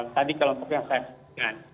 tadi kelompok yang saya sebutkan